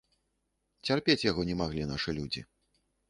Цярпець яго не маглі нашы людзі.